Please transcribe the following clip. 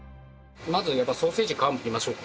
まずやっぱりソーセージの皮をむきましょう。